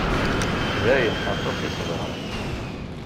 Dayen, aṭas i ṣebreɣ.